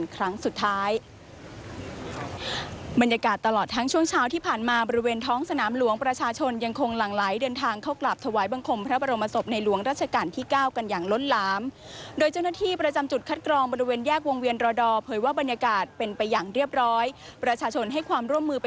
ครั้งสุดท้ายบรรยากาศตลอดทั้งช่วงเช้าที่ผ่านมาบริเวณท้องสนามหลวงประชาชนยังคงหลั่งไหลเดินทางเข้ากราบถวายบังคมพระบรมศพในหลวงราชการที่เก้ากันอย่างล้นหลามโดยเจ้าหน้าที่ประจำจุดคัดกรองบริเวณแยกวงเวียนรอดอเผยว่าบรรยากาศเป็นไปอย่างเรียบร้อยประชาชนให้ความร่วมมือไป